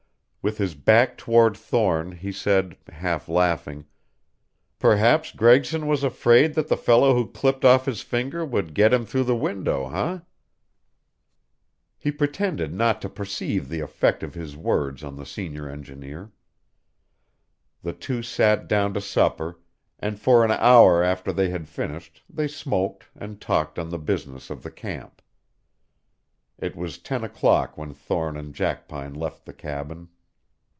With his back toward Thorne he said, half laughing, "Perhaps Gregson was afraid that the fellow who clipped off his finger would get him through the window, eh?" He pretended not to perceive the effect of his words on the senior engineer. The two sat down to supper and for an hour after they had finished they smoked and talked on the business of the camp. It was ten o'clock when Thorne and Jackpine left the cabin.